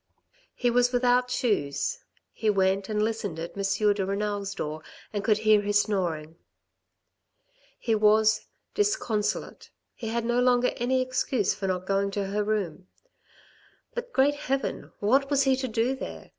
THE COCK'S SONG 91 He was without shoes ; he went and listened at M. de Renal's door, and could hear his snoring. He was disconso late, he had no longer any excuse for not going to her room. But, Great Heaven ! What was he to do there